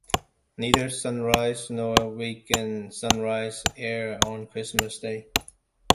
Neither "Sunrise" nor "Weekend Sunrise" air on Christmas Day.